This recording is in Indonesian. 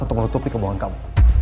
untuk meletupi kebohongan kamu